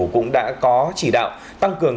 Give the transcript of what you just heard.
cũng đã có chỉ đạo tăng cường